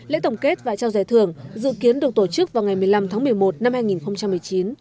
lễ tổng kết và trao giải thưởng dự kiến được tổ chức vào ngày một mươi năm tháng một mươi một năm hai nghìn một mươi chín